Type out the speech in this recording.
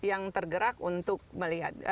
yang tergerak untuk melihat